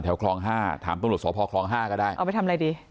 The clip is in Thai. แถวครองห้าถามตำรวจสอบพอครองห้าก็ได้เอาไปทำอะไรดี